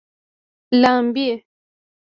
لامبي